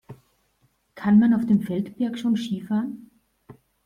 Kann man auf dem Feldberg schon Ski fahren?